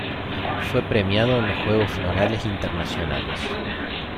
Fue premiado en los Juegos Florales Internacionales.